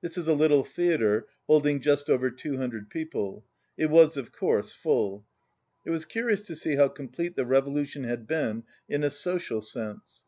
This is a little theatre holding just over 200 people. It was of course full. It was curious to see how complete the revolution had been in a social sense.